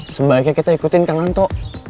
sebaiknya kita ikutin kan anto